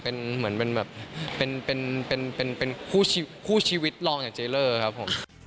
เป็นคู่ชีวิตรองจากเจ๊เลอร์ครับผม